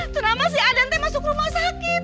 kenapa si aden masuk rumah sakit